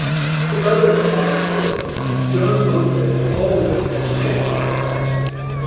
To lovers of odd books, John Buncle will always have a genuine attraction.